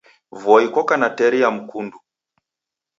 Voi koka na teri ya mkundu.